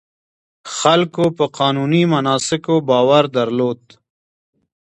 خلکو په قانوني مناسکونو باور درلود.